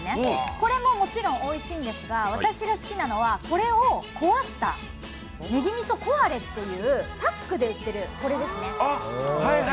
これももちろんおいしいんですが、私が好きなのは、これを壊したねぎみそこわれっていうパックで売ってる、これですね。